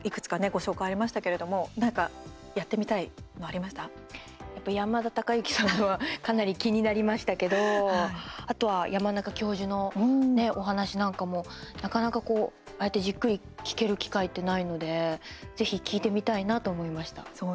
ご紹介ありましたけれどもやっぱり山田孝之さんのはかなり気になりましたけどあとは山中教授のねお話なんかも、なかなかああやって、じっくり聞ける機会ってないのでぜひ聞いてみたいなと思いました。